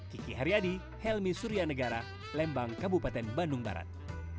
kiki haryadi helmi suryanegara lembang kabupaten bandung barat